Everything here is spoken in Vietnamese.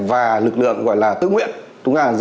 và lực lượng tư nguyện